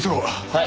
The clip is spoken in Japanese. はい。